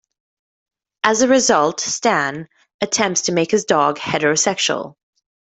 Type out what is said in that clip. As a result, Stan attempts to make his dog heterosexual.